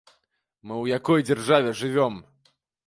Мы ў якой дзяржаве жывём?